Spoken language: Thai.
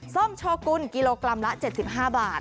ส้มโชกุลกิโลกรัมละ๗๕บาท